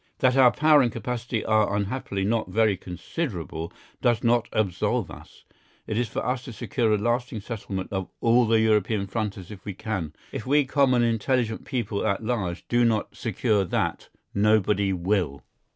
That our power and capacity are unhappily not very considerable does not absolve us. It is for us to secure a lasting settlement of all the European frontiers if we can. If we common intelligent people at large do not secure that, nobody will.